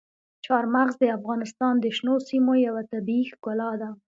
چار مغز د افغانستان د شنو سیمو یوه طبیعي ښکلا ده.